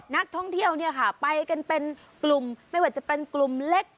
นักท่องเที่ยวไปให้เป็นกลุ่มไม่ว่าจะเป็นกลุ่มเล็ก